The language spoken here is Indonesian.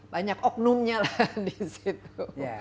banyak oknumnya lah di situ